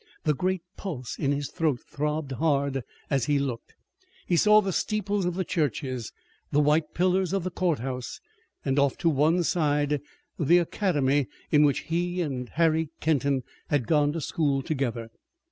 The great pulse in his throat throbbed hard as he looked. He saw the steeples of the churches, the white pillars of the court house, and off to one side the academy in which he and Harry Kenton had gone to school together.